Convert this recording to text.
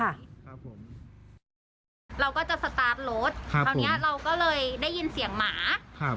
เราก็จะเริ่มรถคราวนี้เราก็เลยได้ยินเสียงหมา